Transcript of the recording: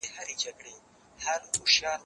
زه پرون موټر کاروم؟